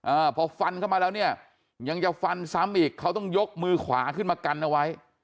อ่าพอฟันเข้ามาแล้วเนี่ยยังจะฟันซ้ำอีกเขาต้องยกมือขวาขึ้นมากันเอาไว้